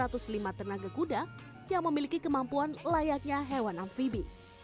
dan memiliki tenaga kuda yang memiliki kemampuan layaknya hewan amphibie